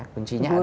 kunci nya adalah